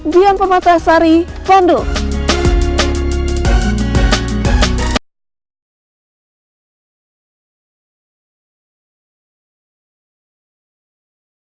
dian pematahsari bandung